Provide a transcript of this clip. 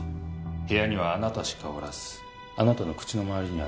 部屋にはあなたしかおらずあなたの口のまわりには